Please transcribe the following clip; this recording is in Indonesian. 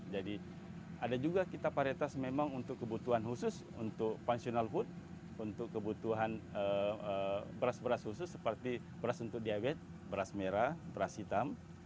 jadi ada juga kita paritas memang untuk kebutuhan khusus untuk pensionalhood untuk kebutuhan beras beras khusus seperti beras untuk diabetes beras merah beras hitam